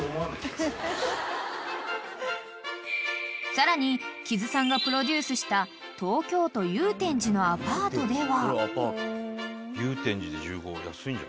［さらに木津さんがプロデュースした東京都祐天寺のアパートでは］